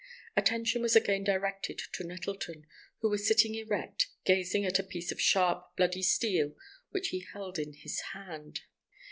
Attention was again directed to Nettleton, who was sitting erect, gazing at a piece of sharp, bloody steel which he held in his hand.